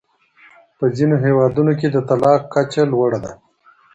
په ځینو هېوادونو کې د طلاق کچه لوړه ده.